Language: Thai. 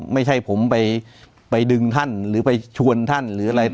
ไม่ใช่ผมไปดึงท่านหรือไปชวนท่านหรืออะไร